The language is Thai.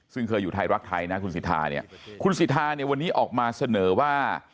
ซึ่งเคยอยู่ไทยรักไทยนะคุณสิทธาเนี่ยคุณสิทธาเนี่ยวันนี้ออกมาเสนอว่า